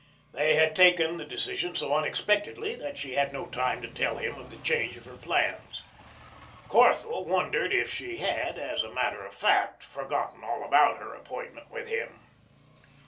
They had taken the decision so unexpectedly that she had no time to tell him of the change in her plans. Corthell wondered if she had as a matter of fact forgotten all about her appointment with him.